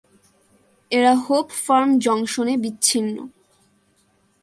এরা Hope Farm জংশনে বিচ্ছিন্ন।